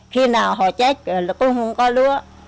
khi nào họ chết là cũng không có lúa